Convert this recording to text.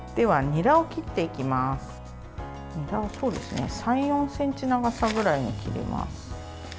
にらを３４ｃｍ長さぐらいに切ります。